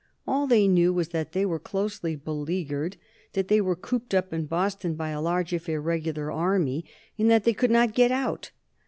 All they knew was that they were closely beleaguered; that they were cooped up in Boston by a large if irregular army, and that they could not get out.